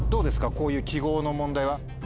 こういう記号の問題は？